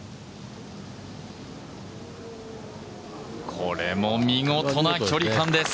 これも見事な距離感です。